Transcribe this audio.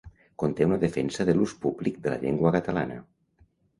Conté una defensa de l'ús públic de la llengua catalana.